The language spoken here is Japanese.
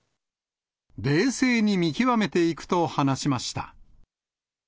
冷静に見極めていくと話しました。